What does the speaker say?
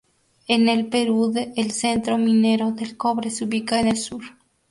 En el Perú el centro minero del cobre se ubica en el sur.